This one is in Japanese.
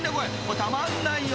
［たまんないよ